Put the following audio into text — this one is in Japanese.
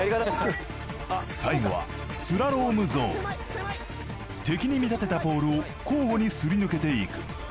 最後は敵に見立てたポールを交互にすり抜けていく。